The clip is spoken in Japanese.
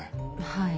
はい。